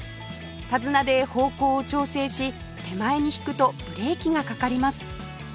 手綱で方向を調整し手前に引くとブレーキがかかります